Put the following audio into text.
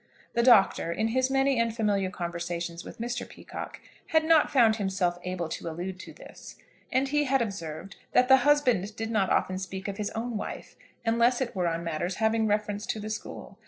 The Doctor, in his many and familiar conversations with Mr. Peacocke, had not found himself able to allude to this; and he had observed that the husband did not often speak of his own wife unless it were on matters having reference to the school.